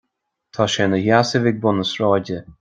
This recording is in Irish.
Tá sé ina sheasamh ag bun na sráide.